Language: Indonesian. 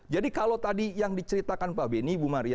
jadi kalau tadi yang diceritakan pak benny